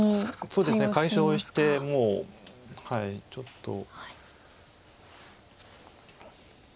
そうですね解消してもうちょっと。